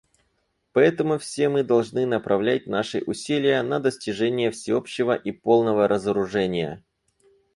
Поэтому все мы должны направлять наши усилия на достижение всеобщего и полного разоружения.